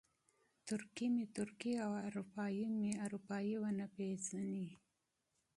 ترکي مې ترکي او اروپایي مې اروپایي ونه پېژني.